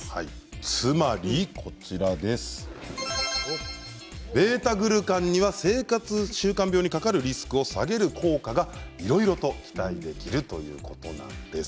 つまりβ−グルカンには生活習慣病にかかるリスクを下げる効果がいろいろと期待できるということなんです。